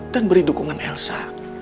dan beri dukungan elsa